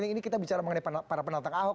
ini kita bicara mengenai para penantang ahok